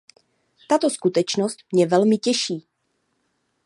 Tato skutečnost mě velmi těší.